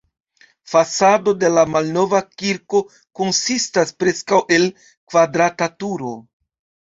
Fasado de la malnova kirko konsistas preskaŭ el kvadrata turo.